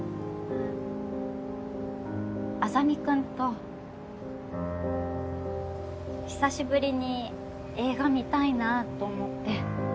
あっ莇君と久しぶりに映画見たいなぁと思って。